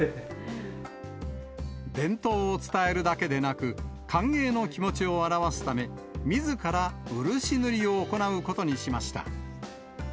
伝統を伝えるだけでなく、歓迎の気持ちを表すため、みずから漆塗りを行うことにしました。